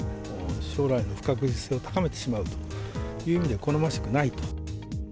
将来への不確実性を高めてしまうという意味で好ましくないと。